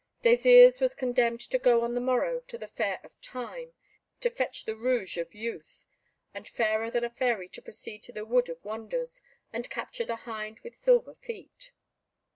Désirs was condemned to go on the morrow to the Fair of Time, to fetch the Rouge of Youth, and Fairer than a Fairy to proceed to the Wood of Wonders, and capture the Hind with Silver Feet.